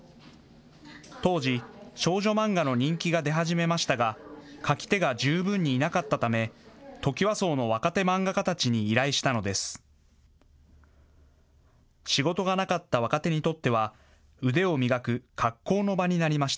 当時、少女漫画の人気が出始めましたが描き手が十分にいなかったためトキワ荘の若手漫画家たちに依頼したのです。